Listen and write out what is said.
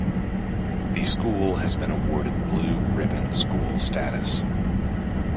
The school has been awarded Blue Ribbon School status.